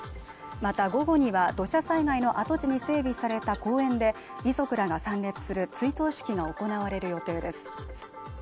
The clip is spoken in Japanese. また午後には土砂災害の跡地に整備された公園で遺族らが参列する追悼式が行われる予定です